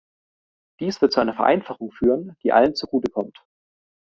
Dies wird zu einer Vereinfachung führen, die allen zugute kommt.